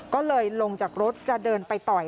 ก็เลยลงจากรถจะเดินไปต่อย